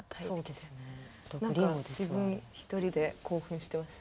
何か自分一人で興奮してます